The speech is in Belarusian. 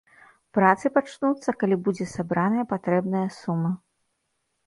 Працы пачнуцца, калі будзе сабраная патрэбная сума.